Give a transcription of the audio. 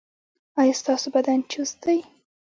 ایا ستاسو بدن چست دی؟